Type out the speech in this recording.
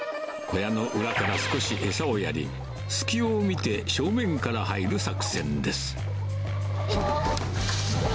小屋の裏から少し餌をやり、隙を見て、正面から入る作戦です。